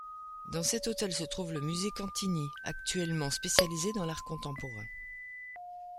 Dans cet hôtel se trouve le musée Cantini actuellement spécialisé dans l’art contemporain.